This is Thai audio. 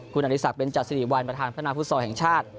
คุณอริสักเบนจัดสิริวัลประธานพนาฟุตซอลแห่งชาติ